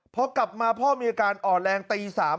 พอกลับมาพ่อมีอาการอ่อนแรงตี๓